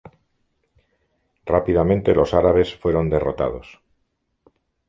Rápidamente los árabes fueron derrotados.